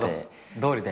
どうりで。